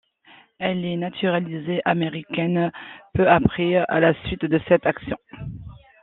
Elle est naturalisée américaine peu après, à la suite de cette action.